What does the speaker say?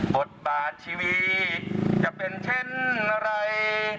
บทบาทชีวิตจะเป็นเช่นอะไร